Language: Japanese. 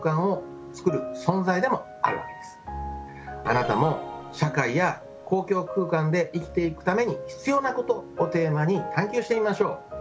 あなたも「社会や公共空間で生きていくために必要なこと」をテーマに探究してみましょう。